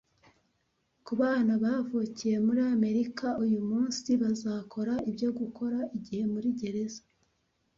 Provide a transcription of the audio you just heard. ku bana bavukiye muri Amerika uyumunsi bazakora ibyo Gukora igihe muri gereza